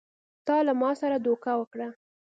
تا له ما سره دوکه وکړه!